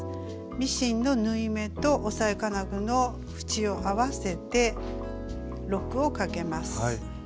ミシンの縫い目と押さえ金具の縁を合わせてロックをかけます。